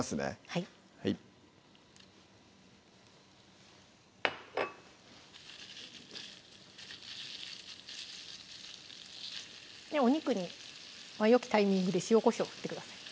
はいお肉によきタイミングで塩・こしょう振ってください